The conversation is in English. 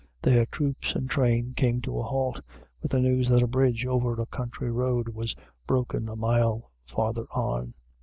There troops and train came to a halt, with the news that a bridge over a country road was broken a mile farther on.